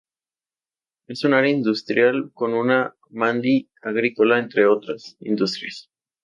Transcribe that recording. Es un área industrial con una Mandi agrícola entre otras industrias.